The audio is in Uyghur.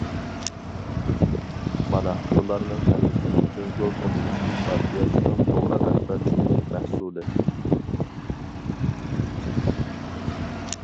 مانا بۇلارنىڭ ھەممىسى جۇڭگو كوممۇنىستىك پارتىيەسىنىڭ توغرا رەھبەرلىكىنىڭ مەھسۇلى.